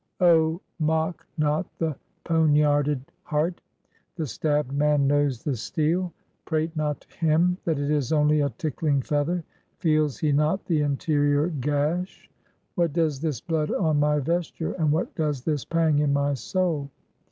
Oh! mock not the poniarded heart. The stabbed man knows the steel; prate not to him that it is only a tickling feather. Feels he not the interior gash? What does this blood on my vesture? and what does this pang in my soul?